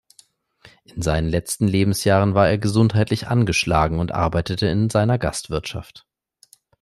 In seinen letzten Lebensjahren war er gesundheitlich angeschlagen und arbeitete in seiner Gastwirtschaft.